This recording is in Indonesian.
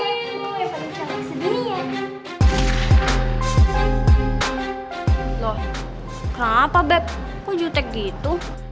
tidak apa apa nat